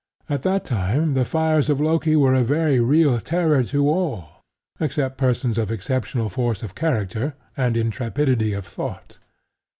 At that time the fires of Loki were a very real terror to all except persons of exceptional force of character and intrepidity of thought.